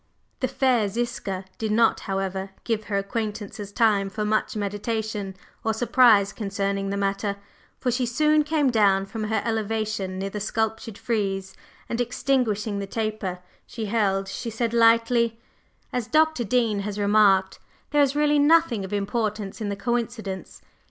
The fair Ziska did not, however, give her acquaintances time for much meditation or surprise concerning the matter, for she soon came down from her elevation near the sculptured frieze and, extinguishing the taper she held, she said lightly: "As Dr. Dean has remarked, there is really nothing of importance in the coincidence.